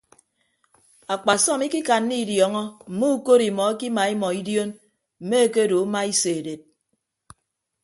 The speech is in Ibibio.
Akpasọm ikikanna idiọọñọ mme ukod imọ ekima imọ idion mme ekedo uma iso edet.